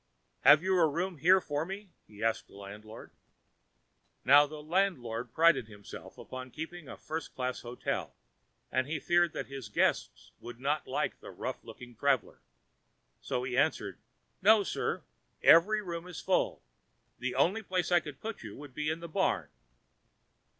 "Have you a room here for me?" he asked the landlord. Now the landlord prided himself upon keeping a first class hotel, and he feared that his guests would not like the rough looking traveler. So he answered: "No, sir. Every room is full. The only place I could put you would be in the barn."